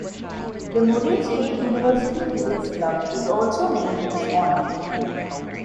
The Murray State University physics club is also named in his honor.